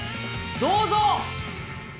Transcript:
どうぞ。